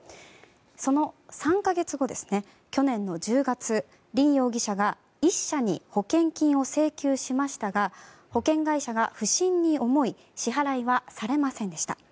その３か月後、去年の１０月凜容疑者が１社に保険金を請求しましたが保険会社が不審に思い支払いはされませんでした。